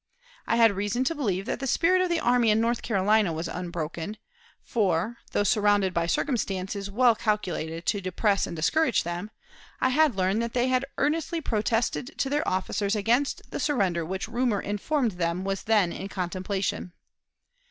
I had reason to believe that the spirit of the army in North Carolina was unbroken, for, though surrounded by circumstances well calculated to depress and discourage them, I had learned that they earnestly protested to their officers against the surrender which rumor informed them was then in contemplation.